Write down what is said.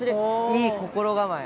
いい心構え。